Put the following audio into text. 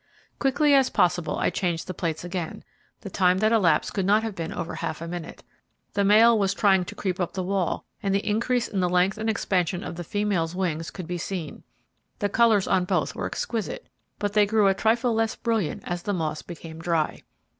Quickly as possible I changed the plates again; the time that elapsed could not have been over half a minute. The male was trying to creep up the wall, and the increase in the length and expansion of the female's wings could be seen. The colours on both were exquisite, but they grew a trifle less brilliant as the moths became dry.